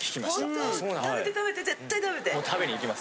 食べて食べて絶対食べて！